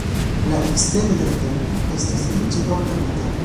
La ekstero de la templo estas riĉe ornamita.